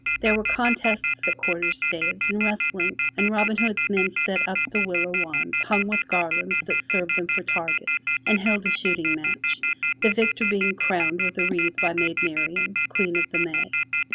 There were contests at quarter staves and wrestling, and Robin Hood's men set up the willow wands hung with garlands that served them for targets, and held a shooting match, the victor being crowned with a wreath by Maid Marian, Queen of the May.